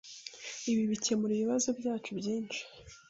Ibi bikemura ibibazo byacu byinshi.